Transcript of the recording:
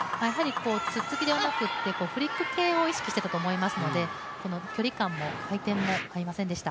ツッツキではなくてフリック系を意識していたと思いますので距離感も回転も合いませんでした。